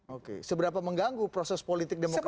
oke seberapa mengganggu proses politik demokrasi